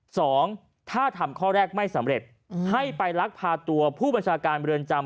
สองถ้าทำข้อแรกไม่สำเร็จให้ไปลักพาตัวผู้บัญชาการเรือนจำ